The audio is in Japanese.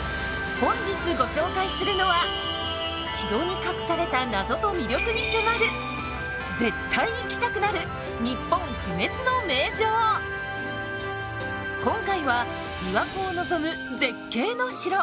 本日ご紹介するのは城に隠された謎と魅力に迫る今回は琵琶湖を望む絶景の城